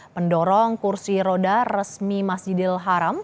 pendorong kursi roda resmi masjidil haram